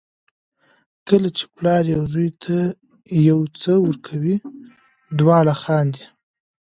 کله چې پلار یو زوی ته یو څه ورکوي دواړه خاندي.